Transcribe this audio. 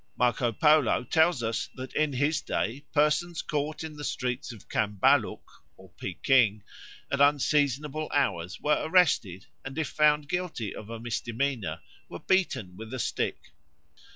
Marco Polo tells us that in his day persons caught in the streets of Cambaluc (Peking) at unseasonable hours were arrested, and if found guilty of a misdemeanor were beaten with a stick.